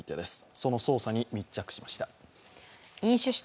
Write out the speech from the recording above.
その捜査に密着しました。